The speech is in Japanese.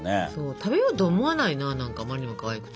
食べようと思わないな何かあまりにもかわいくて。